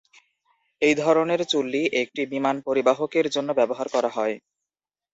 এই ধরনের চুল্লী একটি বিমান পরিবাহকের জন্য ব্যবহার করা হয়।